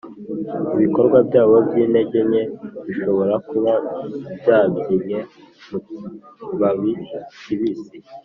ibikorwa byabo byintege nke bishobora kuba byabyinnye mukibabi kibisi,